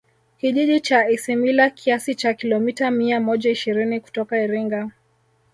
Kijiji cha Isimila kiasi cha Kilomita mia moja ishirini kutoka Iringa